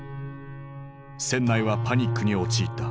船内はパニックに陥った。